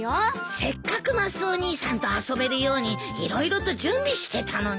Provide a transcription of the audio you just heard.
せっかくマスオ兄さんと遊べるように色々と準備してたのに。